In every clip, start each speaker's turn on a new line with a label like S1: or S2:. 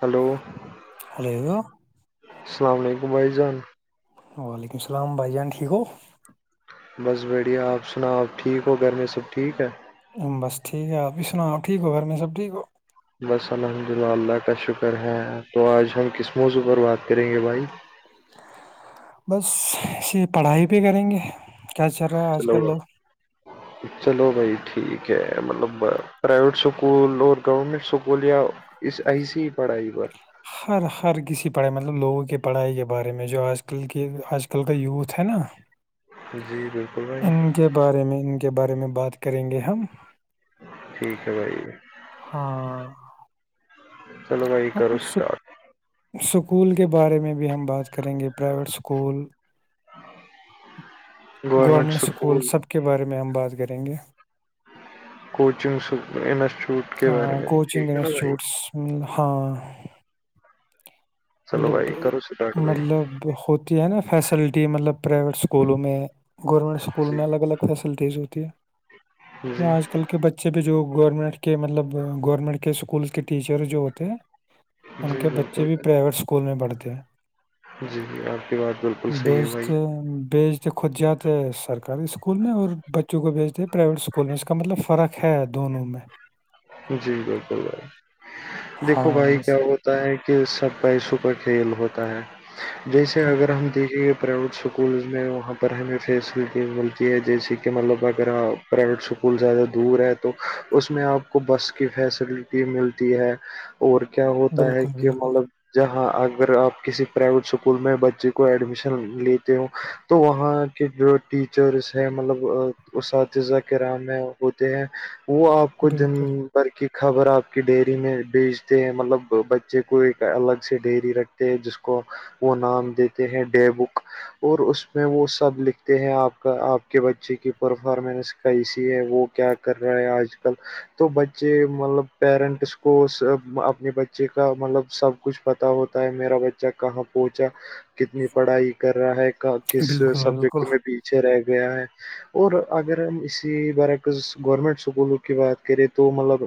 S1: hello
S2: hello
S1: السلام علیکم بھائی جان
S2: وعلیکم السلام بھائی جان ٹھیک ہو
S1: بس بڑھیا آپ سناؤ آپ ٹھیک ہو گھر میں سب ٹھیک ہے
S2: بس ٹھیک ہے آپ بھی سناؤ ٹھیک ہو گھر میں سب ٹھیک ہو
S1: بس الحمدللہ اللہ کا شکر ہے تو آج ہم کس موضوع پر بات کریں گے بھائی
S2: بس ایے پڑھائی بھی کریں گے کیا چ
S1: چلوا
S2: [inaudible]
S1: چلو بھائی ٹھیک ہے مطلب پرائیویٹ اسکول اور گورنمنٹ اسکول یا اس ایسی ہی پڑھائی پر
S2: ہر ہر کسی پڑھائی مطلب لوگوں کے پڑھائی کے بارے میں جو آج کل کے آج کل کا یوتھ ہے نا
S1: جی بالکل
S2: ان کے بارے میں ان کے بارے میں بات کریں گے ہم
S1: ٹھیک ہے بھائی
S2: ہاں
S1: چلو بھائی
S2: ہ
S1: کرو اسٹارٹ
S2: سکول کے بارے میں بھی ہم بات کریں گے پرائیویٹ اسکول گورمنٹ اسکول سب کے بارے میں ہم بات کریں گے
S1: کوچنگ انسٹیٹیوٹ کے بارے
S2: ہاں
S1: میں
S2: کوچنگ
S1: ٹھیک ہے نا بھائی
S2: انسٹیٹیوٹس ہاں
S1: چلو بھائی
S2: مطلب
S1: کرو اسٹارٹ بھائی
S2: مطلب جو ہوتی ہے نا فیسلٹی مطلب پرائیویٹ اسکولوں میں گورنمنٹ اسکول اسکول
S1: جی
S2: میں الگ الگ فیسلٹیز ہوتی ہے
S1: جی
S2: آج کل کے بچے پ جو گورنمنٹ کے مطلب گورنمنٹ کے اسکولس کے ٹیچر جو ہوتے ہیں ان
S1: جی
S2: کے بچے
S1: بالکل
S2: بھی پرائیویٹ اسکول میں پڑھتے ہیں
S1: جی آپ کی بات بالکل صحیح ہے
S2: بیچتے
S1: بھائی
S2: بیچ خود جاتے سرکاری اسکول میں اور بچوں کو بھیجتے پرائیویٹ اسکول میں اس کا مطلب فرق ہے ھےدونوں میں
S1: جی بالکل بھائی دیکھو بھائی
S2: ہاں
S1: کیا
S2: اس-
S1: ہو ہوتا ہے کہ سب کا ایسو کا کھیل ہوتا ہے جیسے
S2: ہاں
S1: اگر ہم دیکھیں گے پرائیویٹ اسکولز میں وہاں پر ہمیں فیسلٹی ملتی ہے جیسے کہ مطلب اگر آپ پرائیویٹ اسکول زیادہ دور ہے تو اس میں آپ کو بس کی فیسلٹی ملتی ہے اور کیا ہوتا ہے
S2: بالکل
S1: کہ
S2: بالکل
S1: مطلب جہاں اگر آپ کسی پرائیویٹ اسکول میں بچے کو ایڈمیشن لیتے ہو تو وہاں کے جو ٹیچرس ہیں مطلب اساتذہ کر رام ہے ہوتے ہیں وہ آپ کو جم
S2: بالکل
S1: کی خبر آپ کی ڈیری میں بیچتے ہیں مطلب بچے کو ایک الگ سے ڈیری رکھ جس کو وہ نام دیتے ہیں ڈی بک اور اس میں وہ سب لکھتے ہیں آپ کے بچے کی پرفارمنس کیسی ہے وہ کیا کر رہا ہے آج کل تو بچے مطلب پیرنٹس کو اپنے بچے کا مطلب سب کچھ پتا ہوتا ہے میرا بچہ کہاں پہنچا کتنی پڑھائی کر رہا ہے کس
S2: بالکل
S1: سبجیکٹ
S2: بالکل
S1: میں بھی اچھے رہ گیا ہے اور اگر ہم اسی برعکز گورنمنٹ اسکولوں کی بات کریں تو تو مطلب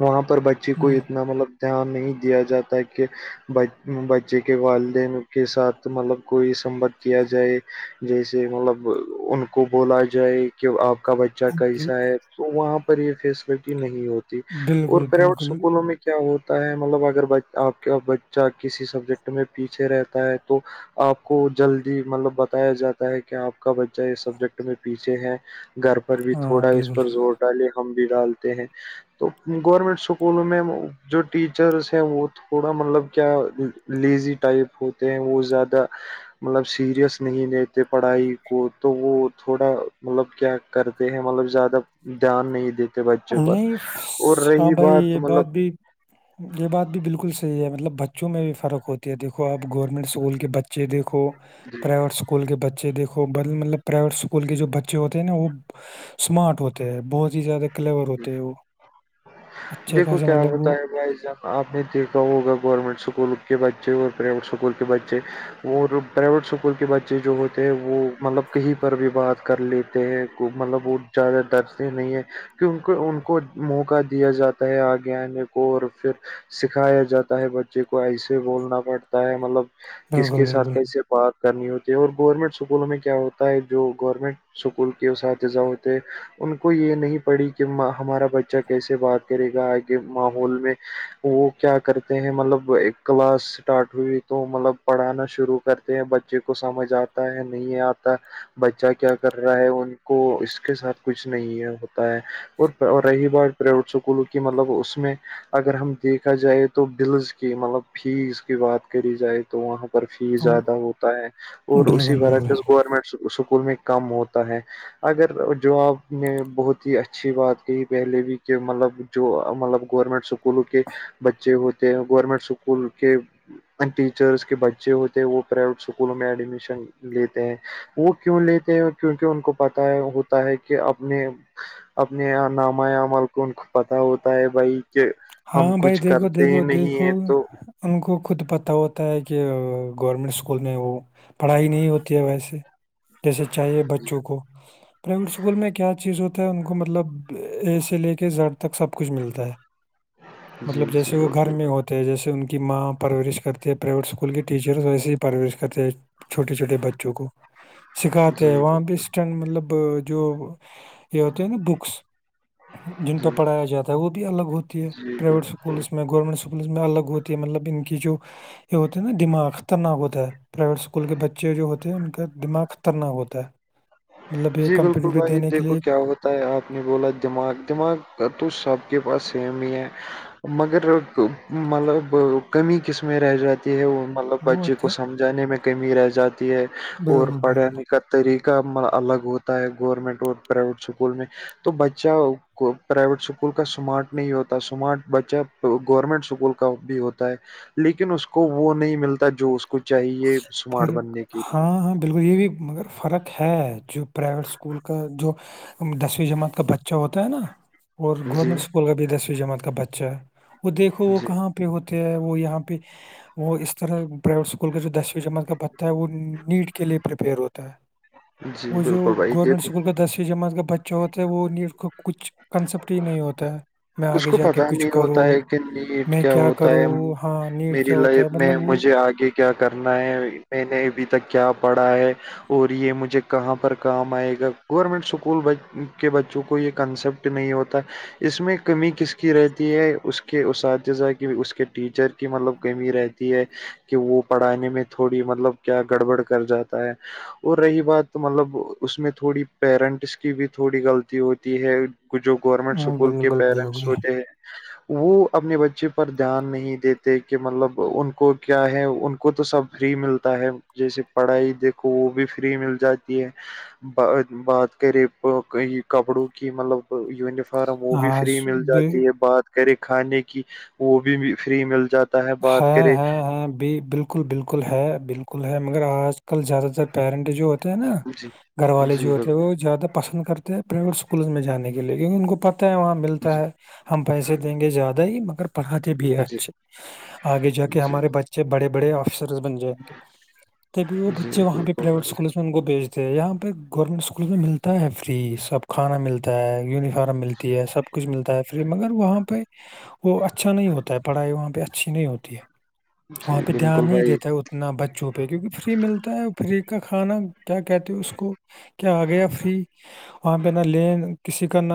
S1: وہاں پر بچے کو
S2: ہ
S1: اتنا مطلب دھیان نہیں دیا جاتا کہ ب بچے کے والدین کے ساتھ مطلب کوئی سمبد کیا جائے جیسے مطلب ان کو بولا جائے کہ آپ کا بچہ کا حسہ ہے تو وہاں پر یہ فیسلٹی نہیں ہوتی اور
S2: بالکل
S1: پرائیویٹ
S2: بالکل
S1: اسکولوں میں کیا ہوتا ہے مطلب اگر آپ کا بچہ کسی سبجیکٹ میں پیچھے رہتا ہے تو آپ کو جلدی مطلب بتایا جاتا ہے کہ آپ کا بچہ اس سبجیکٹ میں پیچھے ہے گھر پر بھی
S2: ہاں
S1: تھوڑا
S2: بالکل
S1: اس پر زور ڈالے ہم بھی ڈالتے ہیں گورنمنٹ اسکولوں میں جو ٹیچرس ہیں وہ تھوڑا مطلب کیا لیزی ٹائپ ہوتے ہیں وہ زیادہ مطلب سیریس نہیں لیتے پڑھائی کو تو وہ تھوڑا مطلب کیا کرتے ہیں مطلب زیادہ دھیان نہیں دیتے بچوں پر
S2: نہیں
S1: اور
S2: ف- ہاں
S1: رہی
S2: بھائی
S1: بات
S2: یہ
S1: مطلب
S2: بھی یہ بات بھی بالکل صحیح ہے مطلب بچوں میں بھی فرق ہوتی ہے دیکو آپ گورنمنٹ اسکول کے بچ ج دیکھو پرائیوٹول اسکول کے بچےیکھو ب مطلب پرائیویٹ اسکول کے جو بچے ہوتے ہیںا وہ اسمارٹ ہوتے ہیں بہت ہی زیادہ کلیور ہوتے ہیں وہ اچھے
S1: دیکھو
S2: خاصے
S1: کیا
S2: مطلب
S1: ہوتا
S2: وہ
S1: ہے بھائی جب آپ نے دیکھا ہوگا گورنمنٹ اسکول کے بچے اور پرائیویٹ اسکول کے بچے وہ پرائیویٹ اسکول کے بچے جو ہوتے ہیں وہ مطلب کہیں پر بھی بات کر لیتے ہیں مطلب وہ زد درد نہیں ہے کی ان کو ان کو موقع دیا جاتا ہے آگے آنے کو اور پھر سکھایا جاتا ہے بچے کو ایسے بولنا پڑتا ہے مطلب کس کے
S2: بالکل
S1: ساتھ
S2: بالکل
S1: کیسے بات کرنی ہوتی ہے اور گورنمنٹ اسکولوں میں کیا ہوتا ہے جو گورنمنٹ اسکول کے اساتذہ ہوتے ہیں ان کو یہ نہیں پڑھی کہ ہمارا بچہ کیسے بات کرے گا آگے ماحول میں وہ کیا کرتے ہیں مطلب ایک کلاس اسٹارٹ ہوئی تو مطلب پڑھانا شروع کرتے ہیں بچے کو سمجھ آتا ہے نہیں آتا بچہ کیا کر رہا ہے ان کو اس کے ساتھ کچھ نہیں ہے ہے اور رہی بات پرائیویٹ اسکولوں کی مطلب اس میں اگر ہم دیکھا جائے تو بلز کی مطلب فیس کی بات کری جائے تو وہاں پر فی
S2: وہ
S1: زیادہ ہوتا ہے اور اسی
S2: بالکل بالکل
S1: برعکس گورنمنٹ اسکول میں کام ہوتا ہے اگر جو آپ نے بہت اچھی بات کہی پہلے بھی کہ مطلب جو مطلب گورنمنٹ اسکولوں کے بچے ہوتے ت گورورمینٹ اسکول کے ٹیچرس کے بچے ہوتے ہیں وہ پرائیویٹ اسکولوں میں ایڈمیشن لیتے ہیں وہ کیوں لیتے ہیں اور کیوںک ان کو پت ہے ہوتا ہے کہ اپنے اپنے نام عمل کو ان کو پت ہوتا ہے بھائی کہ ہم
S2: ہاں بھائی
S1: کچھ
S2: دیکھو
S1: کرتے ہی
S2: دیکھو
S1: نہیں
S2: دیکھو
S1: ہیں تو
S2: ان کو خود پتہ ہوتا ہے کہ گورنمنٹ اسکول میں وہ پڑھائی نہیں ہوتی ہے ویسے جیسے چاہیے بچوں کو پرائیویٹ اسکول میں کیا چیز ہو ان کو مطلب اے سے لے کے زر تک سب کچھ ملتا ہے
S1: جی
S2: مطلب
S1: جی
S2: جیسے وہ گھر میں
S1: بالکل
S2: ہوتے تے جیسے ان کی ماں پرورش کرتے ہے پرائیویٹ اسکول کے ٹیچرس ویسے ہی پرورش کرتے ہیں چھوٹے چھوٹے بچوں کو سکھاتے ہیں
S1: جی
S2: وہاں پہ اسٹ مطلب جو یہ ہوتا ہیں نا بکس جن پ
S1: جی
S2: پڑھایا جاتا ہے وہ بھی الگ ہوتی ہے
S1: جی
S2: پرائیویٹ
S1: بالکل
S2: اسکولس میں گورنمنٹ اسکولس میں الگ ہوتی ہے مطلب ان کی جو یہ ہوتا ہے نا دماغ خطرناک ہوتا ہے پرائیویٹ اسکول کے بچے جو ہوتے ہیں ان کا دماغ خطرناک ہوتا ہے مطلب یہ
S1: جی بالکل
S2: کمپیٹیٹو
S1: بھائی
S2: دینے کے
S1: دیکھو
S2: لیے
S1: کیا ہوتا آپ نے بولا دماغ دماغ تو سب کے پاس سیم ہی ہے مگر مطلب کمی قسمیں رہ جاتی ہے وہ مطلب
S2: وہ
S1: بچے
S2: ہوتا
S1: کو
S2: ہے
S1: سمجھانے میں کمی رہ جاتی ہے اور
S2: بالکل بالکل
S1: پڑھانے کا طریقہ کا الگ ہوتا ہے گورنمنٹ اور پرائیویٹ اسکول میں تو بچہ پرائیویٹ اسکول کا سمارٹ نہیں ہوتا سمارٹ بچہ گورنمنٹ اسکول کا بھی ہوتا ہے لیکن اس کو وہ نہیں ملتا جو اس کو چاہیے سمارٹ
S2: فرق
S1: بننے کے
S2: ہاں
S1: لیے
S2: ہاں بالکل یہ بھی مگر فرق ہے جو پرائیویٹ اسکول کا جو دسویں جماعت کا بچہ ہوتا ہے نا اور
S1: جی
S2: گورنمنٹ اسکول کا بھی دسویں جماعت کا بچہ ہے وہ دیکھو وہ
S1: جی
S2: کہاں پہ ہوتے ہیں وہ یہاں پہ وہ اس طرح پرائیویٹ اسکول اسکول کا جو دسویں جمعت کا بتتا ہے وہ نیٹ کے لیے پریپیئر ہوتا ہے
S1: جی
S2: وہ جو
S1: بالکل بھائی
S2: گورنمنٹ
S1: دیکھو
S2: اسکول کا دسویں جماعت کا بچ جو ہوتا ہے وہ نیٹ کو کچھ کنسیپٹ ہی نہیں ہوتا ہے میں
S1: اس
S2: آگے
S1: کو
S2: جا کے
S1: پتا
S2: کچھ
S1: نہیں
S2: کرو
S1: ہوتا ہے کہ نیٹ
S2: میں
S1: کیا ہوتا
S2: کرو
S1: ہے
S2: ہاں نیٹ
S1: میری
S2: کیا ہوتا ہے
S1: لائف
S2: مطلب
S1: میں
S2: وہ
S1: مجھے آگے کیا کرنا ہے میں نے ابھی تک کیا پڑھا ہے اور یہ مجھے کہاں پر کام آئے گا گورنمنٹ اسکول کے بچوں کو یہ کنسپٹ نہیں ہوتا اس میں کمی کس کی رہتی ہے اس کے اساتذہ کی اس کے ٹیچر کی مطلب کمی رہتی ہے کہ وہ پڑھانے میں تھوڑی مطلب کیا گڑبڑ کر جاتا ہے اور رہی بات مطلب اس میں تھوڑی پیرنٹس کی بھی تھوڑی غلطی ہوتی ہے جو گورنمنٹ
S2: ہوں،
S1: اسکول کے
S2: بالکل
S1: پیرنٹس
S2: بالکل
S1: ہوتے ہیں وہ اپنے بچے پر دھیان نہیں دیتے کہ مطلب ان کو کیا ہے ان کو تو سب فری ملتا ہے جیسے پڑھائی دیکھو وہ بھی فری مل جاتی ہے بات کرے کپڑوں کی مطلب یونیفارم وہ بھی فری مل
S2: آج
S1: جاتی بات کریں کھانے کی وہ بھی فری مل جاتا ہے بات
S2: ہاں
S1: کرے
S2: ہاں ہاں بھی بالکل بالکل بالکل ہے بالکل ہے مگر آج کل زیادہ تر پیرنٹ جو نا
S1: جی
S2: گھر والے جو
S1: جی
S2: ہوتے ہیں
S1: بالکل
S2: وہ زیادہ پسند کرتے ہیں پرویٹ اسکول میں جانے کے لیے کیونکہ ان کو پتہ ہے وہاں ملتا
S1: جی
S2: ہے ہم پیسے دیں گے زیادہ ہی مگر پڑھاتے بھی ہیں
S1: جی
S2: اچھے آگے جا کے
S1: جی
S2: ہمارے بچے بڑے بڑے آفیسر بن جائیںے تب وہ
S1: جی
S2: بچے وہاں پہ
S1: بالکل
S2: پرائیویٹ
S1: بھائی
S2: اسکول کو بھیجتے ہیں یہاں پہ گورنمنٹ اسکول میں ملتا ہے فری سب کھانا ملتا ہے یونیفارم ملتی ہے سب کچھ ملتا ہے فری مگر وہاں پہ وہ اچھا نہیں ہوتا ہے پڑھائی وہاں پہ اچھی نہیں ہوتی ہے وہاں
S1: جی
S2: پہ دھیان
S1: بالکل
S2: نہیں
S1: بھائی
S2: دیتا ہے اپنا بچوں پہ کیونکہ فری ملتا ہے فری کا کھانا کیا کہتے ہیں اس کو کیا آ گیا فری وہاں پہ نہ لین کسی کا نہ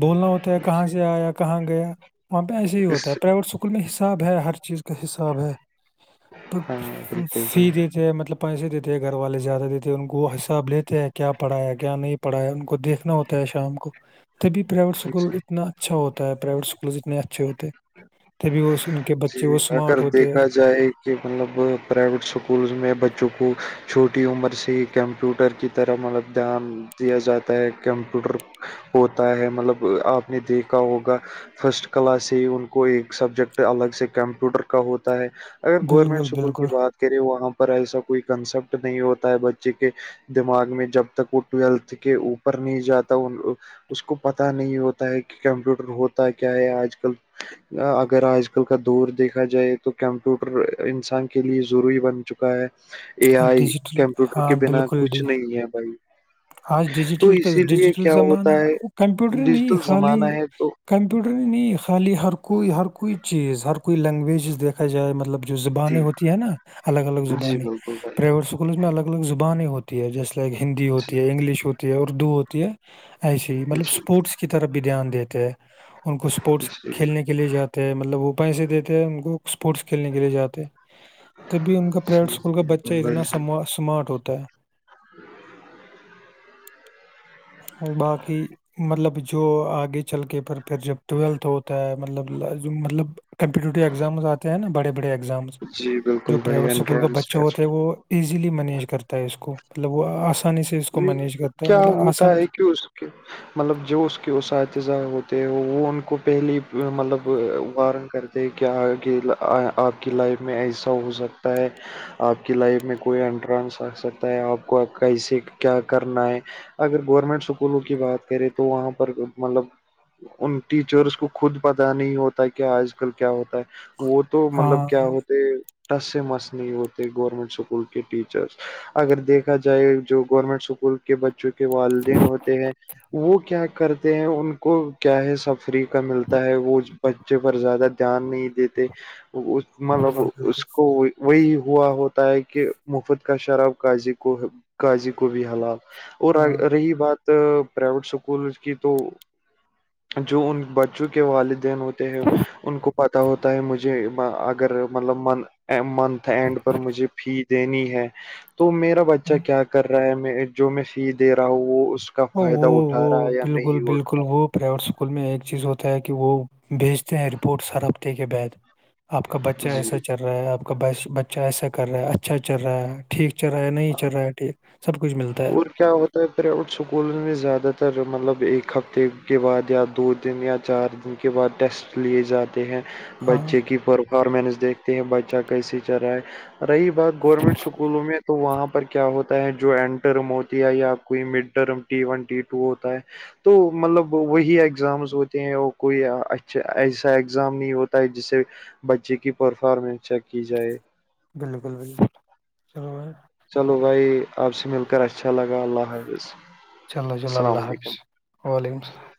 S2: بولنا ہوتا کہاں سے آیا کہاں گیا وہاں پہ ایسے ہی
S1: اس
S2: ہوتا ہے پرائیویٹ اسکول اسکول میں حساب ہے ہر چیز کا حساب ہے
S1: ہاں بالکل بھائی
S2: فی مطلب پیسے دیتے ہیں گھر والے زیادہ دیتے ہیں ان کو وہ حساب لیتے ہیں کیا پڑھا ہے کیا نہیں پڑا ہے ان کو دیکھنا ہوتا ہے شام کو تبھی پرائیویٹ اسکول
S1: جی
S2: اتنا اچھا ہوتا ہے پرائیویٹ اسکولز اتنے اچھے ہوتے ہیں تبھی وہ ان کے
S1: جی
S2: بچے وہ اسمارٹ
S1: اگر
S2: ہوتے ہیں
S1: دیکھا جائے کہ مطلب پرائیویٹ اسکولز میں بچوں کو چھوٹی عمر سے کمپیوٹر کی طرح مطلب دھیان دیا جاتا ہے کمپیوٹر ہوتا ہے مطلب آپ نے دیکھا ہوگا فرسٹ کلاس سے ان کو ایک سبجیکٹ الگ سے کمپیوٹر کا ہوتا ہے اگر گورنمنٹ
S2: بالکل
S1: اسکول
S2: بالکل
S1: کی بات کریں وہاں پر ایسا کوئی کنسپٹ نہیں ہوتا ہے بچے کے دماغ میں جب تک وہ ٹویلتھ کے اوپر نہیں جاتا اس کو پتہ نہیں ہوتا ہے کہ کمپیوٹر ہوتا کیا ہے آج کل اگر آج کل کا دور دیکھا جائے تو کمپیوٹر انسان کے لیے ضروری بن چکا اے
S2: اور
S1: آئی
S2: ڈیجیٹل
S1: کمپیوٹر
S2: ہاں
S1: کے بنا
S2: بالکل
S1: کچھ
S2: ڈی
S1: نہیں ہے بھائی
S2: آج
S1: تو
S2: ڈیجیٹل کا
S1: اسی لیے
S2: ڈیجیٹل
S1: کیا
S2: زمانہ
S1: ہوتا
S2: ہے وہ کمپیوٹر نہیں
S1: ڈیجیٹل
S2: خالی
S1: زمانہ ہے تو
S2: کمپیوٹر ہی نہیں خالی ہر کوئی ہر کوئی چیز ہر کوئی لینگویجز دیکھا جائے مطلب جو
S1: جی
S2: زبانیں ہوتی ہے نا الگ الگ
S1: جی
S2: زبانییں
S1: بالکل بھائی
S2: پرائیویٹ اسکولوں میں الگ الگ زبانیں ہوتی ہے جیسے ہندی ہوت
S1: جی
S2: انگلش ہوتی ہے اردو ہوتی ہے ایسی ہی مطلب
S1: جی
S2: اسپورٹس کی طرف بھی دھیان دیتے ہیں ان کو اسپورٹس
S1: جی
S2: کھیلنے کے لیے جاتے ہیں مطلب وہ پیسے دیتے ہیں ان کو اسپورٹس کھیلنے کے لیے جاتے تبھی ان کا پرائیویٹ
S1: جی
S2: اسکول کا بچہ
S1: بالکل بھائی
S2: اتنا
S1: جی
S2: سمارٹ ہوتا ہے
S1: [unintelligible]
S2: باقی مطلب جو آگے چل کے پر پھر جب ٹویلتھ ہوتا ہے مطلب مطلب کمپیٹیٹیو ایگزامز آتے ہیں نا بڑے بڑے ایگزامز
S1: جی
S2: جو
S1: بالکل بھائی
S2: پرائیویٹ اسکول کے بچے
S1: انٹرنس
S2: ہوتے ہیں وہ ایزیلی مینج کرتا ہے اس کو مطلب وہ آسانی سے اس کو مینیج کرتا ہے
S1: کیا
S2: مطلب
S1: ہوتا
S2: آسانی
S1: ہے
S2: سے
S1: [unintelligible] مطلب جو اس کے اساتذہ ہوتے ہو وہ ان کو پہلے مطلب وارن کر کہ آگ آپ کی لائف میں ایسا ہو سکتا ہے آپ کی لائف میں کوئی انٹرنس رکھ سکتا ہے آپ کو کیسے کیا کرنا ہے اگر گورنمنٹ اسکولوں کی بات کریں تو وہاں پر مطلب ان ٹیچرس کو خود پتہ نہیں ہوتا کہ آج کل کیا ہوتا ہے وہ تو مطلب
S2: ہاں
S1: کیا ہوتے ٹس سے مس نہیں ہوتے گورنمنٹ اسکول کے ٹیچرس اگر دیکھا جائے جو گورنمنٹ اسکول کے بچوں کے والدین ہوتے ہیں وہ کیا کرتے ہیں ان کو کیا ہے سب فری کا ملتا ہے وہ بچے پر زیادہ دھیان نہیں دیتے مطلب
S2: بالکل بالکل
S1: اس کو وہی ہوا ہوتا ہے کہ مفت کا شراب کاضی کو قضی کو کو بھی حالال اور
S2: ہاں
S1: رہی بات پرائیویٹ اسکول کی تو جو ان ب کے والدین ہوتے ہیں ان کو پتا ہوتا ہے مجھے اگر مطلب منتھ اینڈ پر مجھے فی دینی ہے تو میرا بچہ کیا کر رہا ہے میں جو میں سی دے رہا ہوں وہ اس کا
S2: ا وہ
S1: فائدہ اٹھا رہا
S2: وہ
S1: ہے یا
S2: بالکل
S1: نہیں
S2: بالکل
S1: اٹھا
S2: وہ پرائیویٹ اسکول میں ایک چیز ہوتا ہے کہ وہ بھیجتے ہیں رپورٹ ہر ہفتے کے بعد آپ کا
S1: رہا
S2: بچہ
S1: جی
S2: ایسا چل رہا ہے آپ کا بچہ ایسا کر رہا ہے اچھا چل رہا ہے ٹھیک چل رہا ہے نہیں چ رہا ٹھیک سب کچھ ملتا ہے
S1: اور کیا ہوتا پریویٹ سکولوں میں زیادہ تر مطلب ایک ہفتے کےے بعد یا دو دن یا چار دن کے بعد ٹیسٹ لیے جاتے ہیں
S2: ہاں
S1: بچے کی پرفارمنس دیکھتے ہیں بچہ کیسے چل رہا ہے رہی بات گورنمنٹ اسکولوں میں تو وہاں پر کیا ہوتا ہے جو این ٹرم ہوتی ہے یا کوئی mid term T one T two ہوتا ہے تو مطلب وہی ایگزامز ہوتے ہیں اور کوئی اچھا ایسا ایگزام نہیں ہوتا ہے جسے بچے کی پرفارمنس چیک کی جائے
S2: بالکل بالکل چلو
S1: چلو بھائی آپ سے مل کر اچھا لگا اللہ حافظ
S2: چلو چلو
S1: السلام
S2: اللہ
S1: علیکم
S2: حافظ وعلیکم السلام